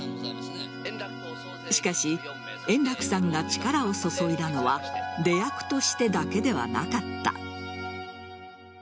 しかし円楽さんが力を注いだのは出役としてだけではなかった。